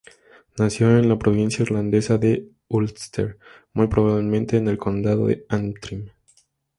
Nació en la provincia irlandesa de Ulster, muy probablemente en el condado de Antrim.